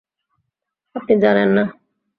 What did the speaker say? আপনি জানেন না।